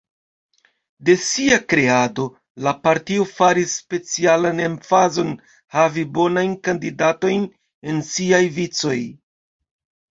De sia kreado, la partio faris specialan emfazon havi bonajn kandidatojn en siaj vicoj.